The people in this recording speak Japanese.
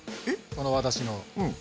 この私の。